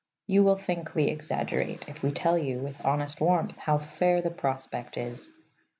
You will think we exaggerate if we tell you, with honest warmth, how fair the prospect is.